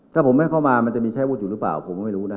ถ้าผมไม่เข้ามามันจะมีใช้วุฒิอยู่หรือเปล่าผมก็ไม่รู้นะ